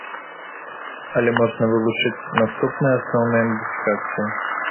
Але можна вылучыць наступныя асноўныя мадыфікацыі.